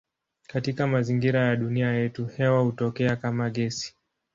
Katika mazingira ya dunia yetu hewa hutokea kama gesi.